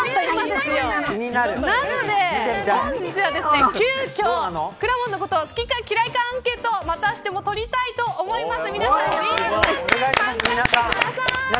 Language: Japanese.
なので本日は、急きょくらもんのことを好きか嫌いかのアンケートまたしても取りたいと思います。